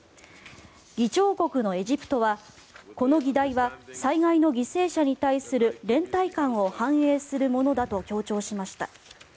議長国のエジプトはこの議題は災害の犠牲者に対する連帯感を反映するものだと強調しました。